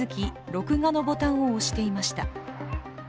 録画のボタンを押していました。